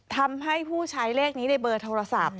ทำให้ผู้ใช้เลขนี้ในเบอร์โทรศัพท์